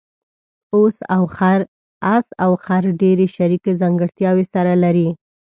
اس او خر ډېرې شریکې ځانګړتیاوې سره لري.